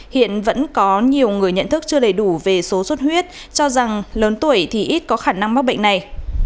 hiện vẫn có nhiều người nhận thức chưa đầy đủ về số xuất huyết cho rằng lớn tuổi thì ít có khả năng mắc bệnh này